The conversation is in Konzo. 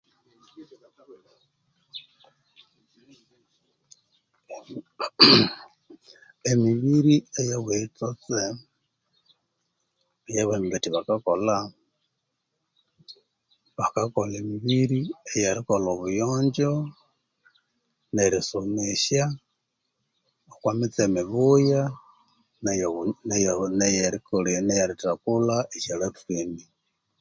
Nmhi nmhi, emibiri eyo buyitsotse eyo bambembetya bakakolha, bakakolha emibiri eyerikolha obuyonjo nerisomesya okwamitse mibuya neyo neyerikole neyeritakulha esyo latrine